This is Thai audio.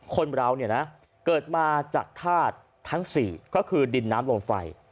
คนเราเนี่ยนะเกิดมาจากธาตุทั้ง๔ก็คือดินน้ำลมไฟ